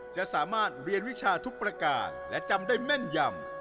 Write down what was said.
จะสามารถเรียนวิชาทุกประการและจำได้แม่นยำ